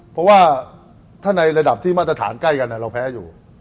เพราะว่าถ้าในระดับที่มาตรฐานใกล้กันเราแพ้อยู่